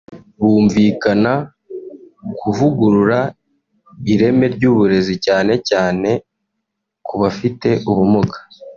bumvikana kuvugurura ireme ry’uburezi cyane cyane kubafite ubumuga